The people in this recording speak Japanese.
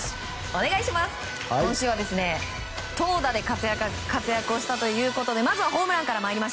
今週は投打で活躍をしたということでまずはホームランから。